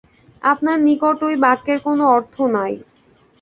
আপানার নিকট ঐ বাক্যের কোন অর্থ নাই।